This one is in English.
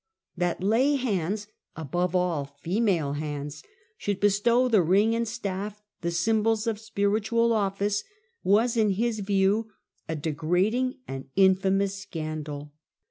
That lay hands — ^above all, female hands — should bestow the ring and staff, the symbols of spiritual office, was in his view a degrading and infamous scandal.